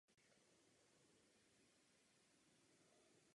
To by mělo být předmětem našeho schvalovacího procesu.